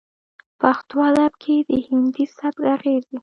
پښتو ادب کې د هندي سبک اغېزې